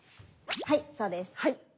はいそうです。